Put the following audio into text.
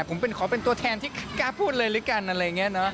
ผมขอเป็นตัวแทนที่กล้าพูดเลยหรือกันอะไรอย่างนี้เนอะ